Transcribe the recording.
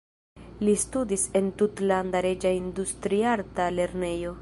Li studis en Tutlanda Reĝa Industriarta Lernejo.